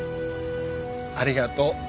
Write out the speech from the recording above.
ありがとう奈々。